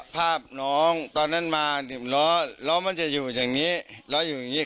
ภาพน้องตอนนั้นมาถึงล้อล้อมันจะอยู่อย่างนี้ล้ออยู่อย่างนี้